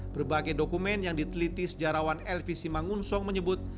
berbagai dokumen yang diteliti sejarawan elvi simangunsong menyebut